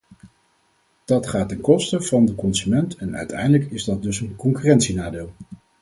Dat gaat ten koste van de consument en uiteindelijk is dat dus een concurrentienadeel.